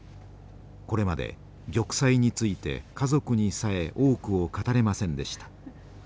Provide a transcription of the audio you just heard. これまで玉砕について家族にさえ多くを語れませんでした。